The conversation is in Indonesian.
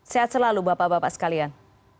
sehat selalu bapak bapak sekalian